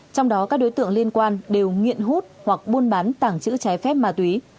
trong đó các đối tượng liên quan đều nghiện hút hoặc buôn bán tảng chữ trái phép ma túy